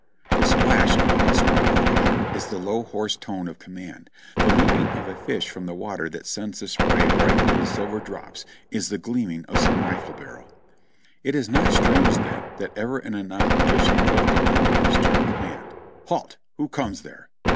The splash of a muskrat or otter is the low, hoarse tone of command ; the leaping of a fish from the water that sends the spray brightened into silver drops, is the gleaming of some rifle barrel. It is not strange then that ever and anon there should float the tone of stern command : "Halt! Who comes there?"